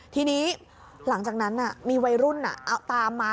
ทีนี้หลังจากนั้นมีวัยรุ่นเอาตามมา